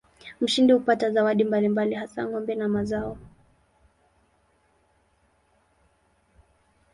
Mshindi hupata zawadi mbalimbali hasa ng'ombe na mazao.